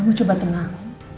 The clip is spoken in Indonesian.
kamu coba tenang